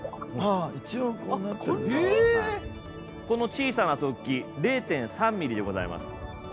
この小さな突起０．３ミリでございます。